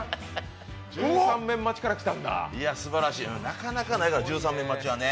なかなかないから十三面待ちはね。